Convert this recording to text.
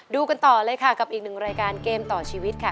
ดูกันต่อเลยค่ะกับอีกหนึ่งรายการเกมต่อชีวิตค่ะ